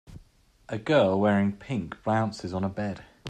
a girl wearing pink bounces on a bed